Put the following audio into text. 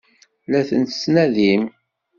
La tent-tettnadim?